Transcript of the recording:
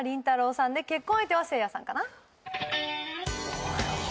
さんで結婚相手はせいやさんかな